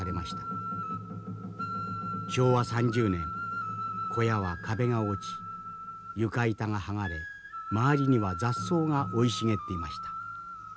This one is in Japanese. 昭和３０年小屋は壁が落ち床板が剥がれ周りには雑草が生い茂っていました。